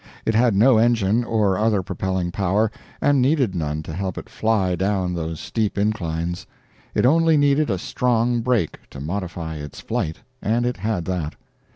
It had no engine or other propelling power, and needed none to help it fly down those steep inclines. It only needed a strong brake, to modify its flight, and it had that.